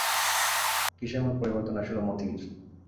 কিসে এমন পরিবর্তন আসিল মতির?